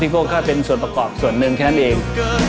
พวกเขาเป็นส่วนประกอบส่วนหนึ่งแค่นั้นเอง